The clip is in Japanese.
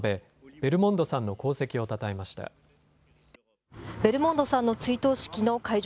ベルモンドさんの追悼式の会場